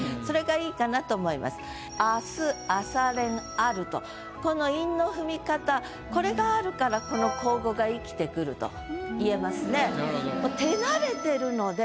「ある」とこのこれがあるからこの口語が生きてくると言えますね。